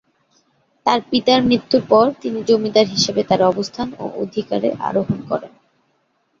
তার পিতার মৃত্যুর পর, তিনি "জমিদার" হিসাবে তার অবস্থান ও অধিকারে আরোহণ করেন।